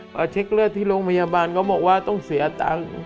พอเช็คเลือดที่โรงพยาบาลเขาบอกว่าต้องเสียตังค์